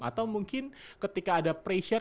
atau mungkin ketika ada pressure